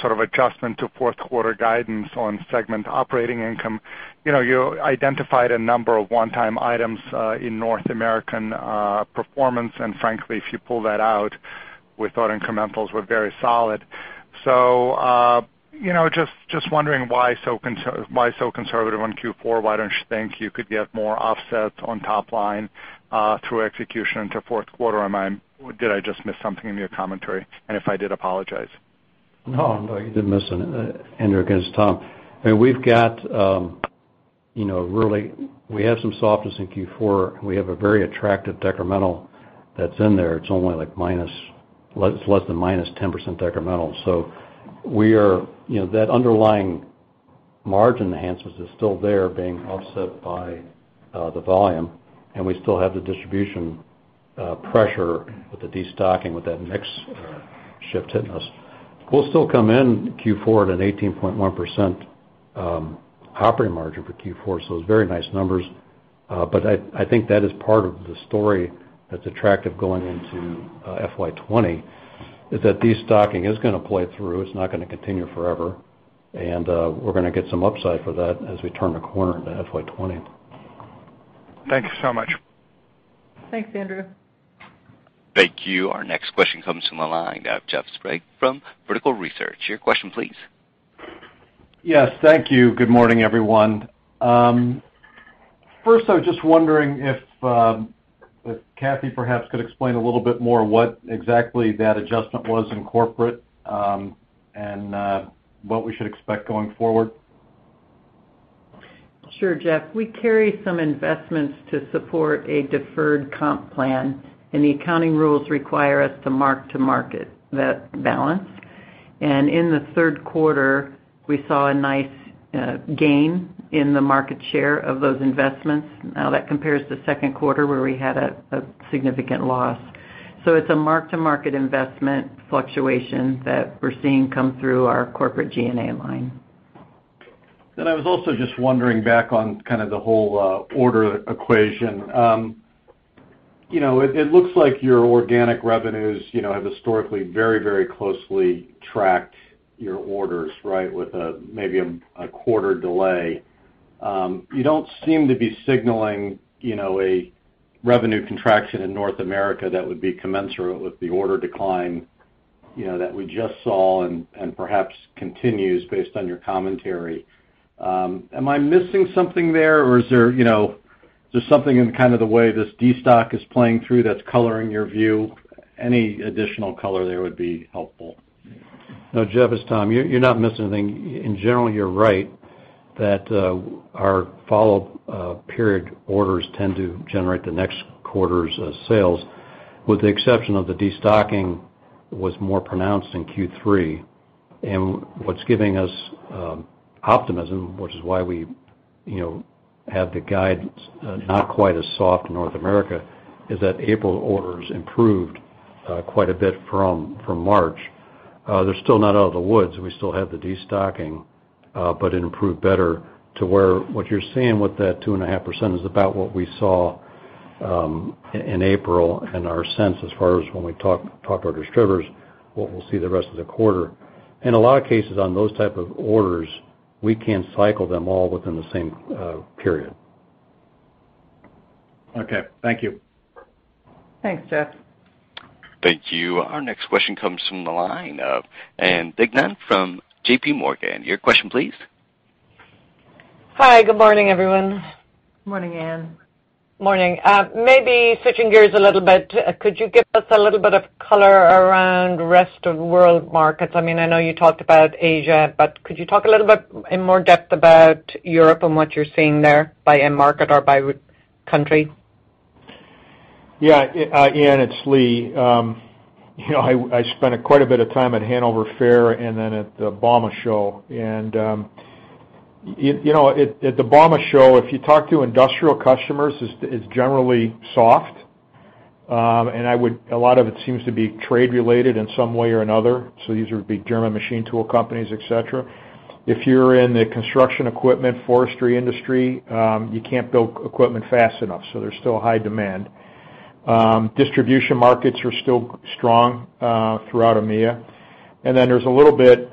sort of adjustment to fourth quarter guidance on segment operating income. You identified a number of one-time items in North American performance, frankly, if you pull that out, we thought incrementals were very solid. Just wondering why so conservative on Q4? Why don't you think you could get more offsets on top line, through execution into fourth quarter? Did I just miss something in your commentary? If I did, apologize. No, you didn't miss it, Andrew. Again, it's Tom. We have some softness in Q4. We have a very attractive decremental that's in there. It's only less than -10% decremental. That underlying margin enhancements is still there being offset by the volume, and we still have the distribution pressure with the de-stocking, with that mix shift hitting us. We'll still come in Q4 at an 18.1% operating margin for Q4, so it's very nice numbers. I think that is part of the story that's attractive going into FY 2020, is that de-stocking is going to play through. It's not going to continue forever. We're going to get some upside for that as we turn the corner into FY 2020. Thank you so much. Thanks, Andrew. Thank you. Our next question comes from the line of Jeff Sprague from Vertical Research. Your question, please. Yes, thank you. Good morning, everyone. First I was just wondering if Cathy perhaps could explain a little bit more what exactly that adjustment was in Corporate, and what we should expect going forward. Sure, Jeff. We carry some investments to support a deferred comp plan, and the accounting rules require us to mark to market that balance. In the third quarter, we saw a nice gain in the market share of those investments. Now, that compares to the second quarter, where we had a significant loss. It's a mark-to-market investment fluctuation that we're seeing come through our Corporate G&A line. I was also just wondering back on kind of the whole order equation. It looks like your organic revenues have historically very closely tracked your orders, right, with maybe a quarter delay. You don't seem to be signaling a revenue contraction in North America that would be commensurate with the order decline that we just saw and perhaps continues based on your commentary. Am I missing something there or is there something in kind of the way this destock is playing through that's coloring your view? Any additional color there would be helpful. No, Jeff, it's Tom, you're not missing anything. In general, you're right that our follow-up period orders tend to generate the next quarter's sales, with the exception of the destocking was more pronounced in Q3. What's giving us optimism, which is why we have the guidance not quite as soft in North America, is that April orders improved quite a bit from March. They're still not out of the woods, and we still have the destocking, but it improved better to where what you're seeing with that 2.5% is about what we saw in April. Our sense as far as when we talk to our distributors, what we'll see the rest of the quarter. In a lot of cases on those type of orders, we can cycle them all within the same period. Okay. Thank you. Thanks, Jeff. Thank you. Our next question comes from the line of Ann Duignan from JP Morgan. Your question, please. Hi. Good morning, everyone. Morning, Ann. Morning. Maybe switching gears a little bit, could you give us a little bit of color around rest of world markets? I know you talked about Asia, but could you talk a little bit in more depth about Europe and what you're seeing there by end market or by country? Yeah. Ann, it's Lee. I spent quite a bit of time at Hannover Messe and then at the bauma Show. At the bauma Show, if you talk to industrial customers, it's generally soft. A lot of it seems to be trade-related in some way or another. These would be German machine tool companies, et cetera. If you're in the construction equipment, forestry industry, you can't build equipment fast enough, so there's still a high demand. Distribution markets are still strong throughout EMEA. There's a little bit,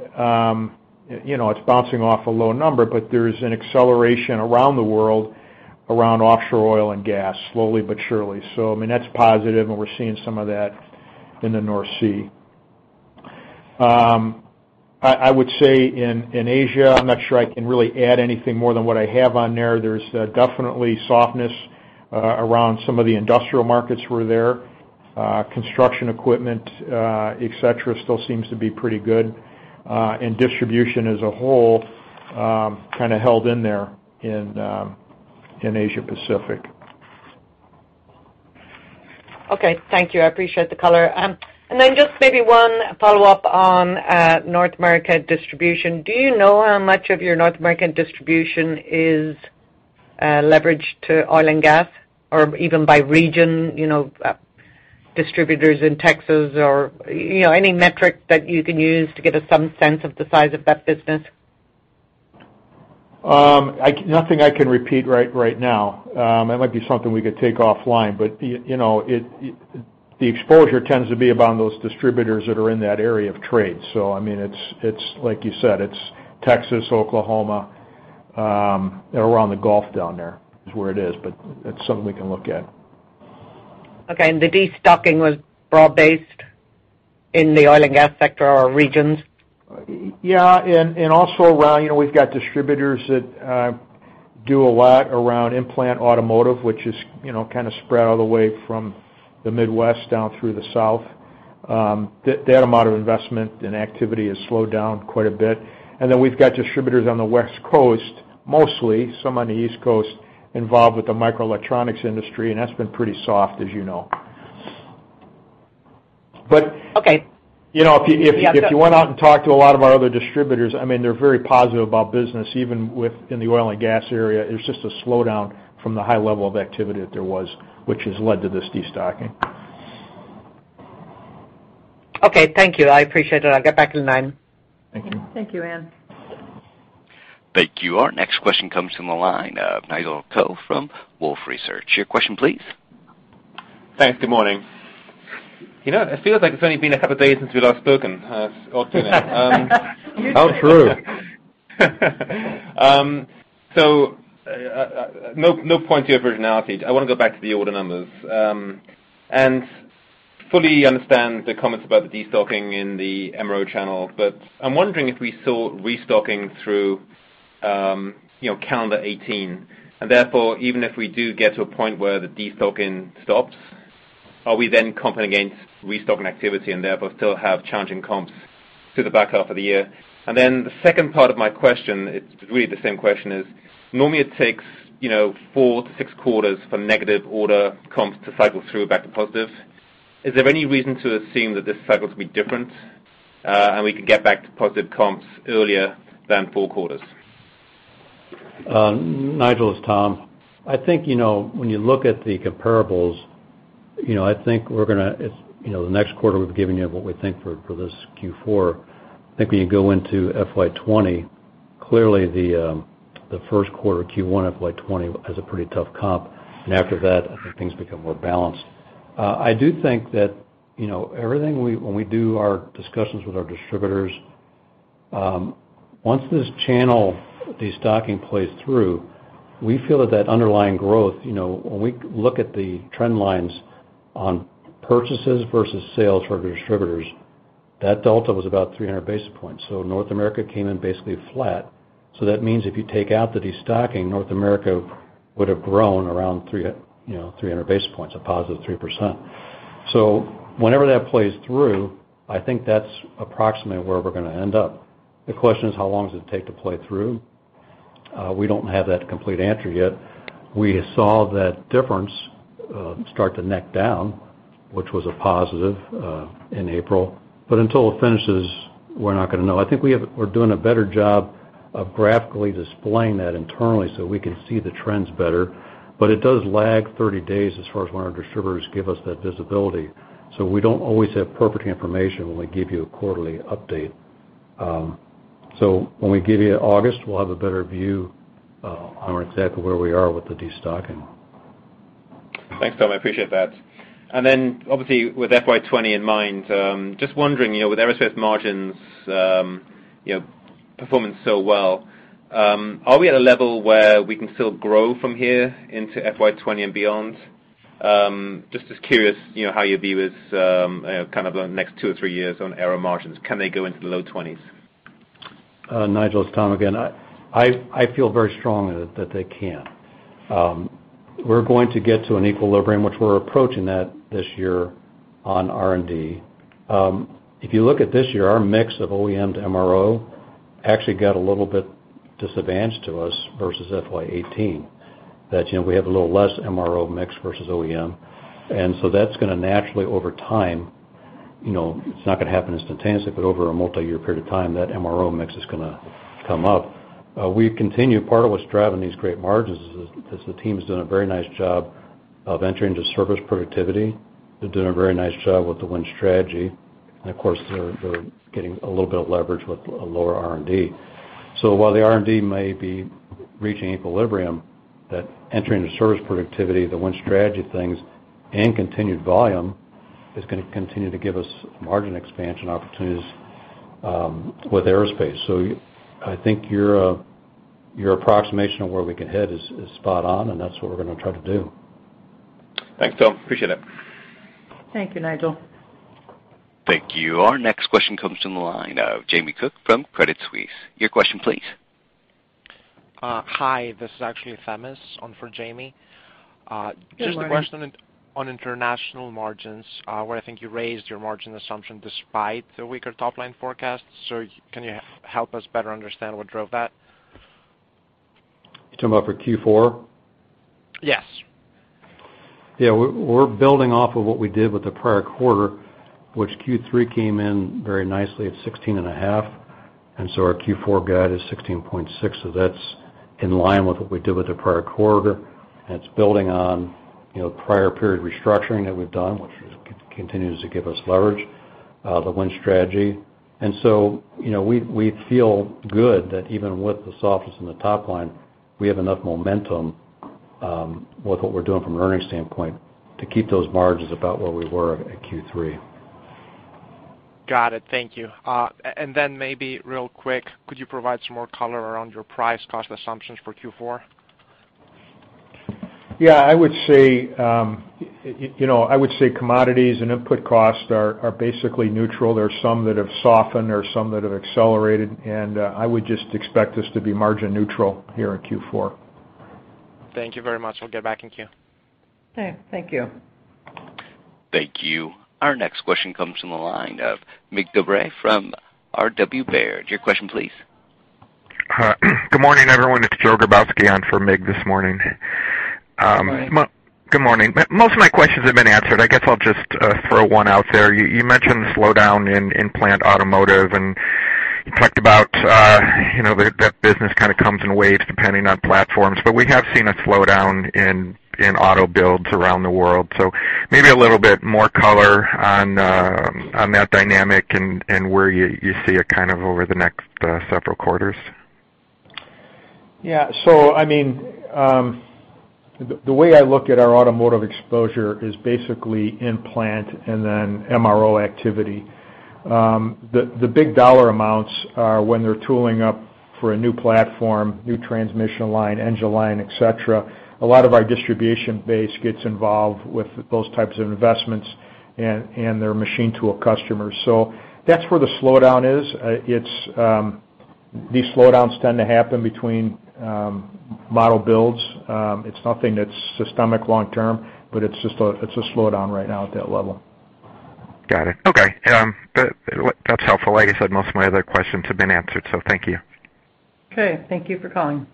it's bouncing off a low number, but there's an acceleration around the world around offshore oil and gas, slowly but surely. That's positive, and we're seeing some of that in the North Sea. I would say in Asia, I'm not sure I can really add anything more than what I have on there. There's definitely softness around some of the industrial markets where there. Construction equipment, et cetera, still seems to be pretty good. Distribution as a whole kind of held in there in Asia Pacific. Okay. Thank you. I appreciate the color. Just maybe one follow-up on North America distribution. Do you know how much of your North American distribution is leveraged to oil and gas? Even by region, distributors in Texas or any metric that you can use to give us some sense of the size of that business? Nothing I can repeat right now. It might be something we could take offline, the exposure tends to be upon those distributors that are in that area of trade. It's like you said, it's Texas, Oklahoma, around the Gulf down there is where it is. It's something we can look at. Okay. The destocking was broad-based in the oil and gas sector or regions? Yeah. Also we've got distributors that do a lot around in-plant automotive, which is kind of spread all the way from the Midwest down through the South. That amount of investment and activity has slowed down quite a bit. We've got distributors on the West Coast, mostly, some on the East Coast, involved with the microelectronics industry, and that's been pretty soft, as you know. Okay. If you went out and talked to a lot of our other distributors, they're very positive about business, even within the oil and gas area. It's just a slowdown from the high level of activity that there was, which has led to this destocking. Okay, thank you. I appreciate it. I'll get back in line. Thank you. Thank you, Ann. Thank you. Our next question comes from the line of Nigel Coe from Wolfe Research. Your question, please. Thanks. Good morning. It feels like it's only been a couple of days since we last spoken. It's odd, isn't it? How true. No point to your personality. I want to go back to the order numbers. Fully understand the comments about the destocking in the MRO channel. Therefore, even if we do get to a point where the destocking stops, are we then competing against restocking activity and therefore still have challenging comps through the back half of the year? Then the second part of my question, it's really the same question, is normally it takes four to six quarters for negative order comps to cycle through back to positive. Is there any reason to assume that this cycle's going to be different, and we can get back to positive comps earlier than four quarters? Nigel, it's Tom. I think, when you look at the comparables, we're going to the next quarter, we've given you what we think for this Q4. I think when you go into FY 2020, clearly the first quarter, Q1 of FY 2020 has a pretty tough comp. After that, I think things become more balanced. I do think that when we do our discussions with our distributors Once this channel, the stocking plays through, we feel that underlying growth, when we look at the trend lines on purchases versus sales for our distributors, that delta was about 300 basis points. North America came in basically flat. That means if you take out the destocking, North America would have grown around 300 basis points, a positive 3%. Whenever that plays through, I think that's approximately where we're going to end up. The question is, how long does it take to play through? We don't have that complete answer yet. We saw that difference start to neck down, which was a positive, in April, but until it finishes, we're not going to know. I think we're doing a better job of graphically displaying that internally so we can see the trends better. It does lag 30 days as far as when our distributors give us that visibility. We don't always have perfect information when we give you a quarterly update. When we give you August, we'll have a better view on exactly where we are with the destocking. Thanks, Tom. I appreciate that. Obviously with FY 2020 in mind, just wondering, with Aero margins performing so well, are we at a level where we can still grow from here into FY 2020 and beyond? Just was curious, how you view this kind of the next two or three years on Aero margins. Can they go into the low 20s? Nigel, it's Tom again. I feel very strongly that they can. We're going to get to an equilibrium, which we're approaching that this year on R&D. If you look at this year, our mix of OEM to MRO actually got a little bit disadvantaged to us versus FY 2018. That we have a little less MRO mix versus OEM. That's going to naturally over time, it's not going to happen instantaneously, but over a multi-year period of time, that MRO mix is going to come up. We've continued, part of what's driving these great margins is the team has done a very nice job of enterprise service productivity. They're doing a very nice job with the WIN Strategy, and of course, they're getting a little bit of leverage with a lower R&D. While the R&D may be reaching equilibrium, that enterprise service productivity, the WIN Strategy things, and continued volume is going to continue to give us margin expansion opportunities with Aerospace. I think your approximation of where we can head is spot on, and that's what we're going to try to do. Thanks, Tom. Appreciate it. Thank you, Nigel. Thank you. Our next question comes from the line of Jamie Cook from Credit Suisse. Your question please. Hi, this is actually Themis on for Jamie. Good morning. Just a question on international margins, where I think you raised your margin assumption despite the weaker top-line forecast. Can you help us better understand what drove that? You talking about for Q4? Yes. Yeah, we're building off of what we did with the prior quarter, which Q3 came in very nicely at 16 and a half. Our Q4 guide is 16.6. That's in line with what we did with the prior quarter, and it's building on prior period restructuring that we've done, which continues to give us leverage, the WIN Strategy. We feel good that even with the softness in the top line, we have enough momentum with what we're doing from an earnings standpoint to keep those margins about where we were at Q3. Got it. Thank you. Maybe real quick, could you provide some more color around your price cost assumptions for Q4? Yeah, I would say commodities and input costs are basically neutral. There are some that have softened, or some that have accelerated, and I would just expect this to be margin neutral here in Q4. Thank you very much. I'll get back in queue. Okay. Thank you. Thank you. Our next question comes from the line of Mircea Dobre from Robert W. Baird. Your question please. Good morning, everyone. It's Joe Grabowski on for Mircea this morning. Good morning. Good morning. Most of my questions have been answered. I guess I'll just throw one out there. You mentioned the slowdown in-plant automotive, and you talked about that business kind of comes in waves depending on platforms, but we have seen a slowdown in auto builds around the world. Maybe a little bit more color on that dynamic and where you see it kind of over the next several quarters. Yeah. I mean, the way I look at our automotive exposure is basically in-plant and then MRO activity. The big dollar amounts are when they're tooling up for a new platform, new transmission line, engine line, et cetera. A lot of our distribution base gets involved with those types of investments and their machine tool customers. That's where the slowdown is. These slowdowns tend to happen between model builds. It's nothing that's systemic long-term, but it's a slowdown right now at that level. Got it. Okay. That's helpful. Like I said, most of my other questions have been answered. Thank you. Okay. Thank you for calling.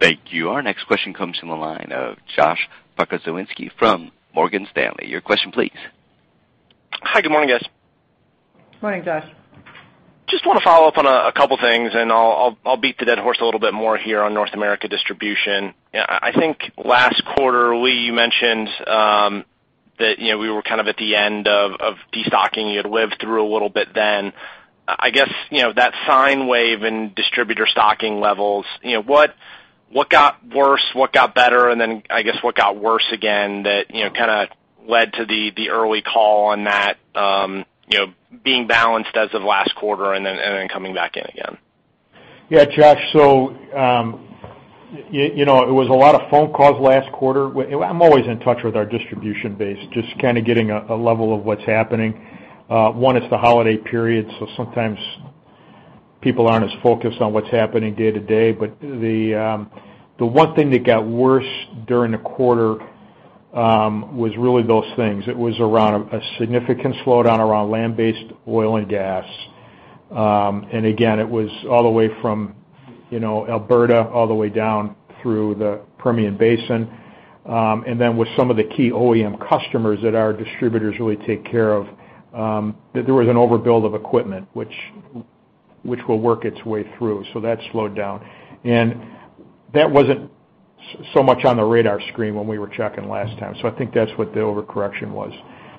Thank you. Our next question comes from the line of Josh Pokrzywinski from Morgan Stanley. Your question please. Hi, good morning, guys. Morning, Josh. Just want to follow up on a couple things, and I'll beat the dead horse a little bit more here on North America distribution. I think last quarter, Lee, you mentioned that we were kind of at the end of destocking. You had lived through a little bit then. I guess, that sine wave in distributor stocking levels, what got worse, what got better, and then, I guess, what got worse again that kind of led to the early call on that being balanced as of last quarter and then coming back in again? Yeah, Josh. It was a lot of phone calls last quarter. I'm always in touch with our distribution base, just kind of getting a level of what's happening. One, it's the holiday period, so sometimes people aren't as focused on what's happening day to day. The one thing that got worse during the quarter was really those things. It was around a significant slowdown around land-based oil and gas. Again, it was all the way from Alberta, all the way down through the Permian Basin. Then with some of the key OEM customers that our distributors really take care of, that there was an overbuild of equipment, which will work its way through. That slowed down. That wasn't so much on the radar screen when we were checking last time. I think that's what the overcorrection was.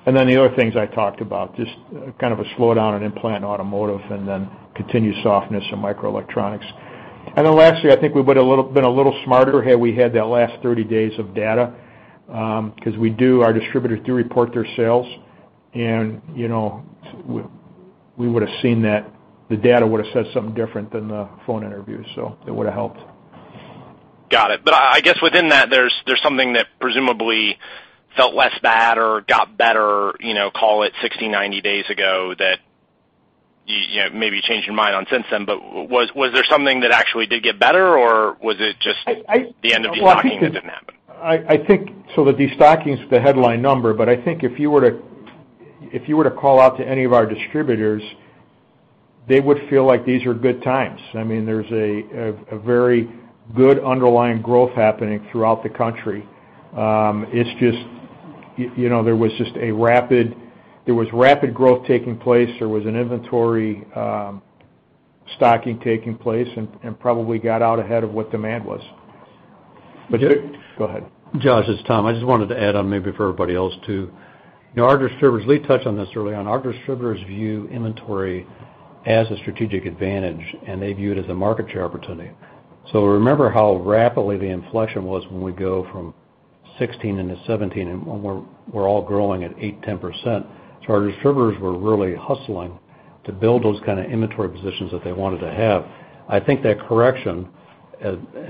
Then the other things I talked about, just kind of a slowdown in in-plant automotive and then continued softness in microelectronics. Then lastly, I think we would've been a little smarter had we had that last 30 days of data, because our distributors do report their sales. We would've seen that the data would've said something different than the phone interviews. It would've helped. Got it. I guess within that, there's something that presumably felt less bad or got better, call it 60, 90 days ago, that maybe you changed your mind on since then. Was there something that actually did get better or was it just the end of destocking that didn't happen? I think the destocking's the headline number, I think if you were to call out to any of our distributors, they would feel like these are good times. There's a very good underlying growth happening throughout the country. There was rapid growth taking place. There was an inventory stocking taking place probably got out ahead of what demand was. Go ahead. Josh, it's Tom. I just wanted to add on maybe for everybody else, too. Lee touched on this early on. Our distributors view inventory as a strategic advantage, they view it as a market share opportunity. Remember how rapidly the inflection was when we go from 2016 into 2017 when we're all growing at 8%, 10%. Our distributors were really hustling to build those kind of inventory positions that they wanted to have. I think that correction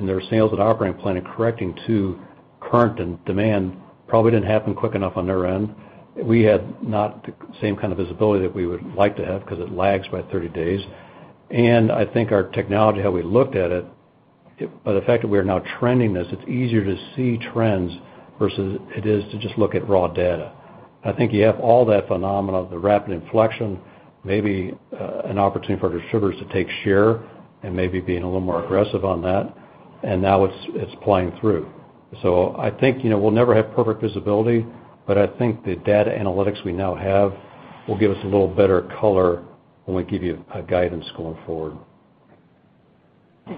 their sales operating plan in correcting to current demand probably didn't happen quick enough on their end. We had not the same kind of visibility that we would like to have because it lags by 30 days. I think our technology, how we looked at it, by the fact that we are now trending this, it's easier to see trends versus it is to just look at raw data. I think you have all that phenomena of the rapid inflection, maybe an opportunity for distributors to take share maybe being a little more aggressive on that, now it's playing through. I think we'll never have perfect visibility, I think the data analytics we now have will give us a little better color when we give you a guidance going forward.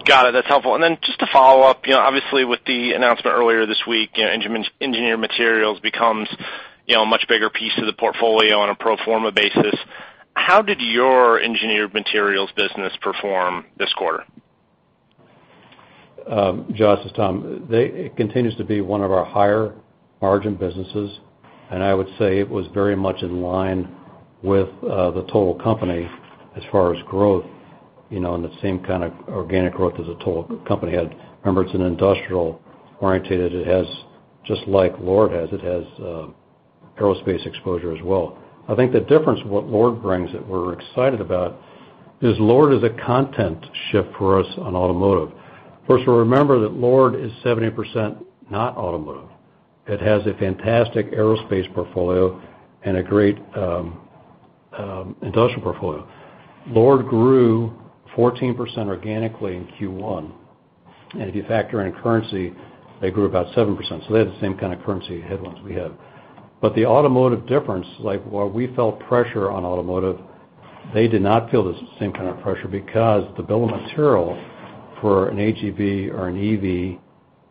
Got it. That's helpful. Just to follow up, obviously with the announcement earlier this week, Engineered Materials becomes a much bigger piece of the portfolio on a pro forma basis. How did your Engineered Materials business perform this quarter? Josh, it's Tom. It continues to be one of our higher margin businesses, I would say it was very much in line with the total company as far as growth, in the same kind of organic growth as the total company had. Remember, it's an industrial orientated. Just like Lord has, it has aerospace exposure as well. I think the difference what Lord brings that we're excited about is Lord is a content shift for us on automotive. First of all, remember that Lord is 70% not automotive. It has a fantastic aerospace portfolio and a great industrial portfolio. Lord grew 14% organically in Q1, and if you factor in currency, they grew about 7%. They had the same kind of currency headwinds we had. The automotive difference, like while we felt pressure on automotive, they did not feel the same kind of pressure because the bill of material for an HEV or an EV,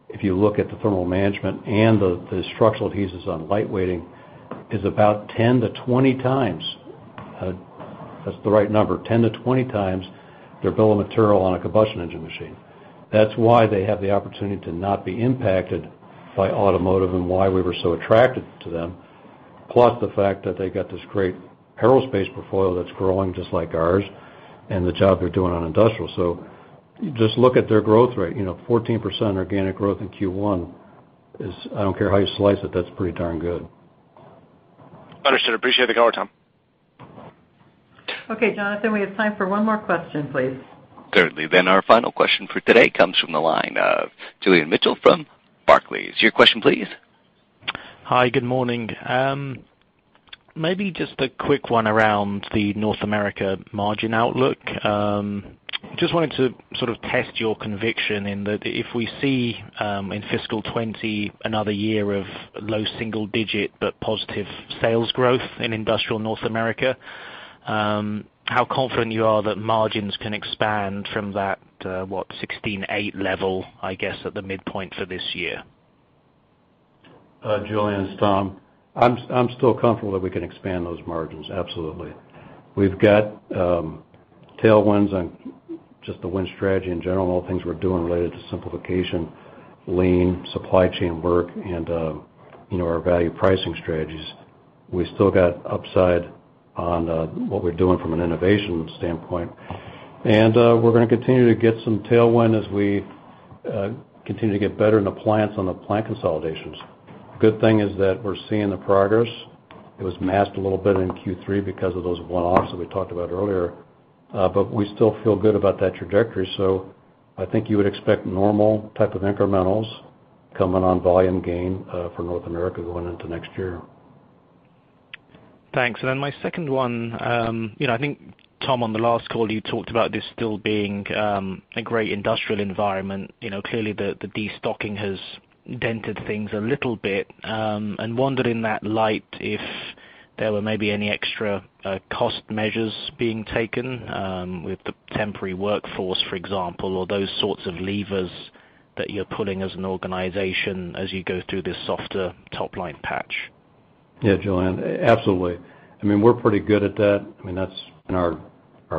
if you look at the thermal management and the structural adhesives on light weighting, is about 10 to 20 times. That's the right number, 10 to 20 times their bill of material on a combustion engine machine. That's why they have the opportunity to not be impacted by automotive and why we were so attracted to them. Plus the fact that they got this great aerospace portfolio that's growing just like ours and the job they're doing on industrial. Just look at their growth rate. 14% organic growth in Q1 is, I don't care how you slice it, that's pretty darn good. Understood. Appreciate the color, Tom. Okay, Jonathan, we have time for one more question, please. Our final question for today comes from the line of Julian Mitchell from Barclays. Your question, please. Hi, good morning. Maybe just a quick one around the North America margin outlook. Just wanted to sort of test your conviction in that if we see, in fiscal 2020, another year of low single digit, but positive sales growth in industrial North America, how confident you are that margins can expand from that, what, 16.8 level, I guess, at the midpoint for this year? Julian, it's Tom. I'm still comfortable that we can expand those margins. Absolutely. We've got tailwinds on just the WIN Strategy in general, and all the things we're doing related to simplification, lean supply chain work, and our value pricing strategies. We still got upside on what we're doing from an innovation standpoint. We're going to continue to get some tailwind as we continue to get better in the plants on the plant consolidations. Good thing is that we're seeing the progress. It was masked a little bit in Q3 because of those one-offs that we talked about earlier. We still feel good about that trajectory. I think you would expect normal type of incrementals coming on volume gain, for North America going into next year. Thanks. My second one, I think, Tom, on the last call, you talked about this still being a great industrial environment. Clearly, the de-stocking has dented things a little bit. Wondered in that light if there were maybe any extra cost measures being taken with the temporary workforce, for example, or those sorts of levers that you're pulling as an organization as you go through this softer top-line patch. Julian, absolutely. We are pretty good at that. That is in our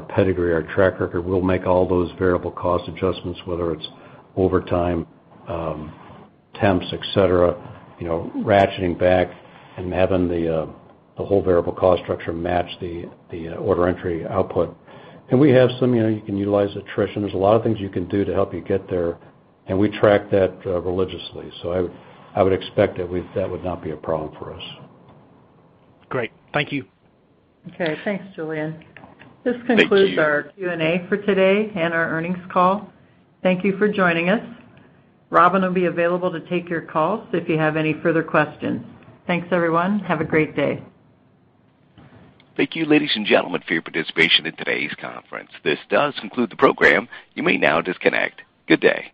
pedigree, our track record. We will make all those variable cost adjustments, whether it is overtime, temps, et cetera, ratcheting back and having the whole variable cost structure match the order entry output. We have some, you can utilize attrition. There is a lot of things you can do to help you get there, and we track that religiously. I would expect that would not be a problem for us. Great. Thank you. Okay, thanks, Julian. Thank you. This concludes our Q&A for today and our earnings call. Thank you for joining us. Robin will be available to take your calls if you have any further questions. Thanks, everyone. Have a great day. Thank you, ladies and gentlemen, for your participation in today's conference. This does conclude the program. You may now disconnect. Good day.